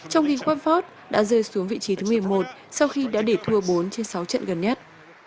trong khi quátford đã rơi xuống vị trí thứ một mươi một sau khi đã để thua bốn trên sáu trận gần nhất